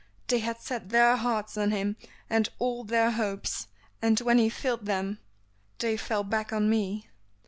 They had set their hearts on him, and all their hopes, and when he failed them they fell back on me.